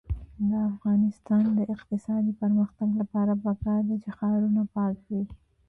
د افغانستان د اقتصادي پرمختګ لپاره پکار ده چې ښارونه پاک وي.